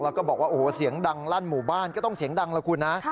แล้วก็บอกว่าโอ้โหเสียงดังลั่นหมู่บ้านก็ต้องเสียงดังละคุณนะ